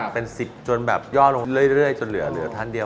เป็น๑๐จนแบบย่อลงเรื่อยจนเหลือท่านเดียว